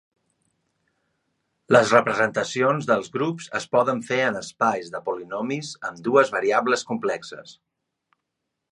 Les representacions dels grups es poden fer en espais de polinomis amb dues variables complexes.